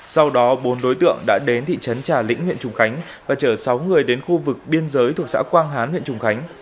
sau đó bốn đối tượng đã đến thị trấn trà lĩnh huyện trùng khánh và chở sáu người đến khu vực biên giới thuộc xã quang hán huyện trùng khánh